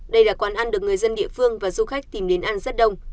đây là quán ăn được người dân địa phương và du khách tìm đến ăn rất đông